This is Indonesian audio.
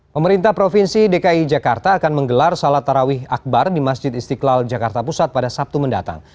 pemerintah provinsi dki jakarta akan menggelar salat tarawih akbar di masjid istiqlal jakarta pusat pada sabtu mendatang